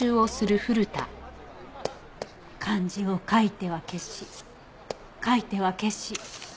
漢字を書いては消し書いては消し。